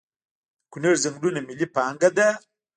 د کنړ ځنګلونه ملي پانګه ده؟